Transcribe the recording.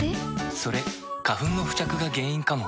それ花粉の付着が原因かも。